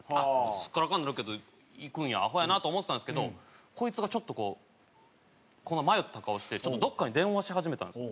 すっからかんになるけど行くんやアホやなと思ってたんですけどこいつがちょっとこうこんな迷った顔してちょっとどっかに電話し始めたんですよ。